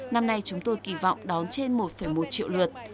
năm nay chúng tôi kỳ vọng đón trên một một triệu lượt